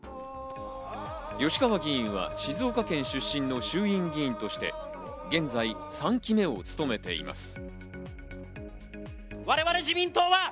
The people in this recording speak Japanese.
吉川議員は静岡県出身の衆議院議員として、現在３期目を務めています。